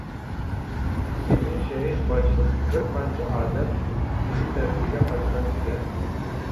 ئىمىن شەيخ باشلىق بىرقانچە ئادەم ئىلى تەرىپىگە قاچقان ئىكەن.